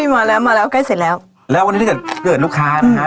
มาแล้วมาแล้วใกล้เสร็จแล้วแล้ววันนี้เกิดเกิดลูกค้านะคะ